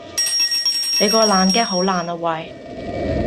你個爛 gag 好爛呀喂